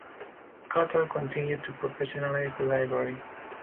Cutter continued to professionalize the library.